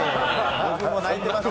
僕も泣いてますよ。